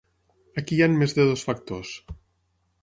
Aquí hi han més de dos factors.